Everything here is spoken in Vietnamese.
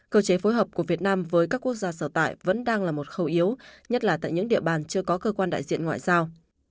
cơ chế phối hợp của việt nam với các quốc gia sở tại vẫn đang là một khâu yếu nhất là tại những địa bàn chưa có cơ quan đại diện ngoại giao